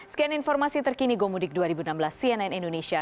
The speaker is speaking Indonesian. sekian informasi terkini gomudik dua ribu enam belas cnn indonesia